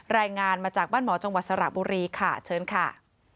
แรงงานมาจากบ้านหมอจังหวัดสรบุรีโชคเชิงนะครับ